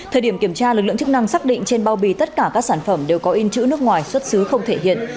thời điểm kiểm tra lực lượng chức năng xác định trên bao bì tất cả các sản phẩm đều có in chữ nước ngoài xuất xứ không thể hiện